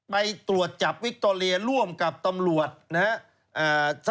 ไปตรวจจับวิคโตเรียร่วมกับตำรวจนะครับ